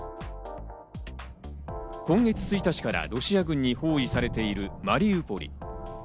今月１日からロシア軍に包囲されているマリウポリ。